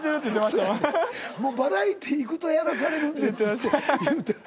そやろ「もうバラエティー行くとやらされるんです」って言うて。